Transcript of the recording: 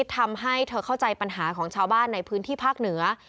ทำให้เธอเข้าใจปัญหาของชาวบ้านในพื้นที่ภาคเหนือ